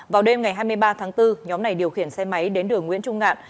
vào đêm ngày hai mươi ba tháng bốn nhóm này điều khiển xe máy đến đường nguyễn trung ngạn